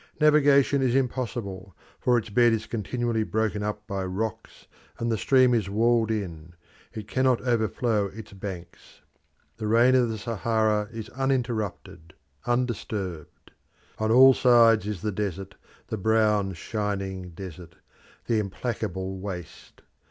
Navigation is impossible, for its bed is continually broken up by rocks and the stream is walled in; it cannot overflow its banks. The reign of the Sahara is uninterrupted, undisturbed. On all sides is the desert, the brown, shining desert, the implacable waste.